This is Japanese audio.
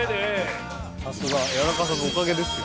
さすが谷中さんのおかげですよ。